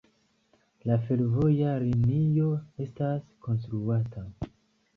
La fervoja linio estas konstruata.